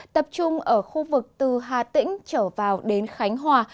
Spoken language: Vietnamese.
tập trung ở khu vực từ hà tĩnh trở vào đến khánh hòa